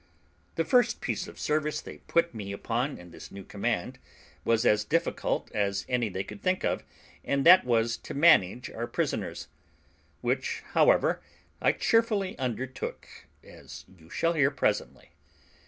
The first piece of service they put me upon in this new command was as difficult as any they could think of, and that was to manage the prisoners; which, however, I cheerfully undertook, as you shall hear presently.